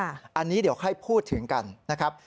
อันนี้เดี๋ยวค่อยพูดถึงกันนะครับ